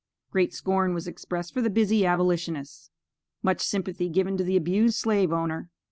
Great scorn was expressed for the busy Abolitionists. Much sympathy given to the abused slave owner.